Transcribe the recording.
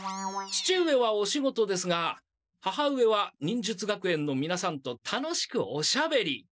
父上はお仕事ですが母上は忍術学園のみなさんと楽しくおしゃべり。